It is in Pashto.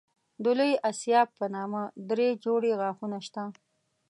د لوی آسیاب په نامه دری جوړې غاښونه شته.